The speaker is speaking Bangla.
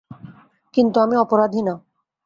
কিন্তু আমি অপরাধী না।